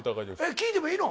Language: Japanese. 聞いてもいいの？